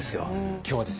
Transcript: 今日はですね